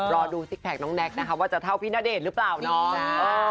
รอดูซิกแพคน้องแน็กนะคะว่าจะเท่าพี่ณเดชน์หรือเปล่าเนาะ